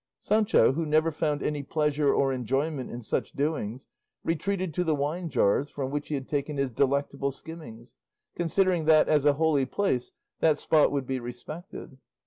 Sancho, who never found any pleasure or enjoyment in such doings, retreated to the wine jars from which he had taken his delectable skimmings, considering that, as a holy place, that spot would be respected.